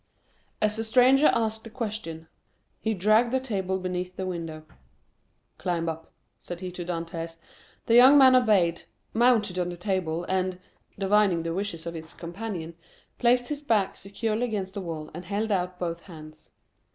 As the stranger asked the question, he dragged the table beneath the window. "Climb up," said he to Dantès. The young man obeyed, mounted on the table, and, divining the wishes of his companion, placed his back securely against the wall and held out both hands.